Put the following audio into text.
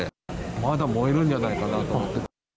まだ燃えるんじゃないかなと思って。